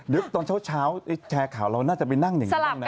เดี๋ยวตอนเฉ้าแชวข่าวเราน่าจะไปนั่งยังไงบ้างแล้ว